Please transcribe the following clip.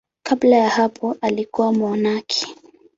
Kabla ya hapo alikuwa mmonaki.